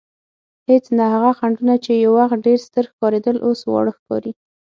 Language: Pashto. هېڅ نه، هغه خنډونه چې یو وخت ډېر ستر ښکارېدل اوس واړه ښکاري.